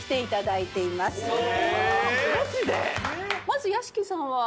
まず屋敷さんは？